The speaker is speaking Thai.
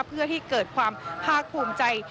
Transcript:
เพื่อที่เกิดความห้าพูมใจ